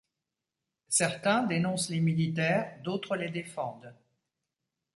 Certains dénoncent les militaires, d'autres les défendent.